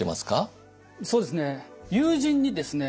そうですね。